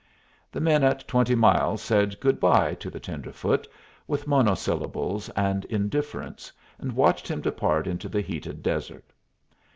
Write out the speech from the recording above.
The men at Twenty Mile said good day to the tenderfoot, with monosyllables and indifference, and watched him depart into the heated desert.